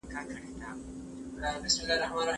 آیا ته پوهېږې چې ستا خور ستا انتظار کوي؟